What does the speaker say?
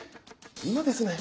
今ですね